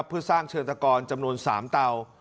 เพื่อสร้างเชิงตะกรจำนวน๓เตา